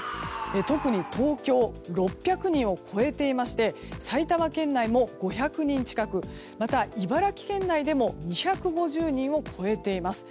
特に東京で６００人を超えていまして埼玉県内も５００人近くまた、茨城県内でも２５０人を超えています。